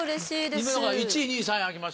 今ので１位２位３位開きましたんで。